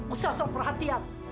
usah sok perhatian